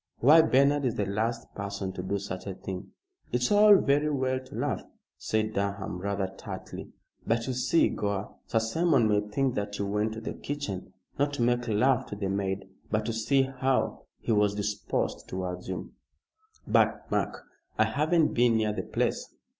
"Why, Bernard is the last person to do such a thing." "It's all very well to laugh," said Durham, rather tartly, "but you see, Gore, Sir Simon may think that you went to the kitchen, not to make love to the maid, but to see how he was disposed towards you." "But, Mark, I haven't been near the place."